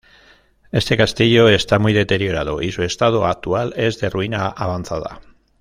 Este castillo está muy deteriorado y su estado actual es de ruina avanzada.